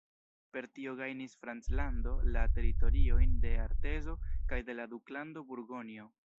Per tio gajnis Franclando la teritoriojn de Artezo kaj de la Duklando Burgonjo.